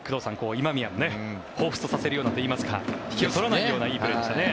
今宮をほうふつとさせるようなといいますか引けを取らないようないいプレーでしたね。